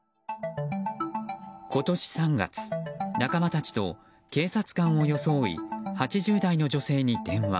今年３月仲間たちと警察官を装い８０代の女性に電話。